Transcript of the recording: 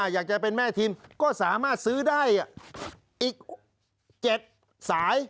อยากจะเป็นแม่ทีมก็สามารถซื้อได้อีก๗สาย